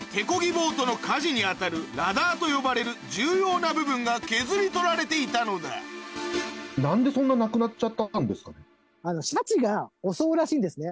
ボートの舵に当たるラダーと呼ばれる重要な部分が削り取られていたのだらしいんですね。